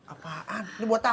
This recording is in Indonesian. apaan ini buat tamu